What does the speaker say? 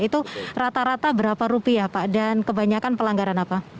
itu rata rata berapa rupiah pak dan kebanyakan pelanggaran apa